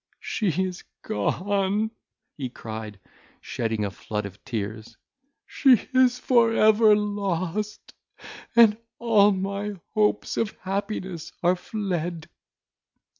"She is gone," he cried, shedding a flood of tears, "she is for ever lost; and all my hopes of happiness are fled!"